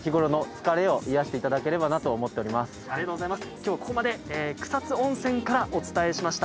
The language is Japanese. きょう、ここまで草津温泉からお伝えしました。